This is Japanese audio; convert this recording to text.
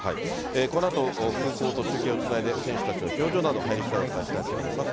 このあと、空港と中継をつないで、選手たちの表情など、入りしだい、お伝えしたいと思います。